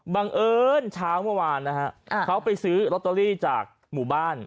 บังเอิญเช้าเมื่อวานนะฮะเขาไปซื้อลอตเตอรี่จากหมู่บ้าน